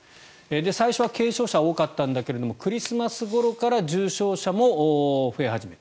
最初は軽症者が多かったんだけれどもクリスマスごろから重症者も増え始めた。